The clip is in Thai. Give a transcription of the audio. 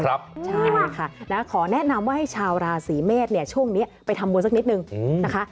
ใช่ค่ะขอแนะนำว่าให้ชาวราศีเมษเนี่ยช่วงนี้ไปทำบุญสักนิดนึงนะคะ